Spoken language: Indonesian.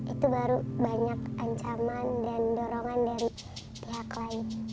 itu baru banyak ancaman dan dorongan dari pihak lain